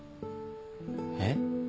えっ？